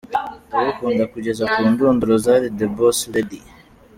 Ndagukunda kugeza ku ndunduro Zari The Boss Lady.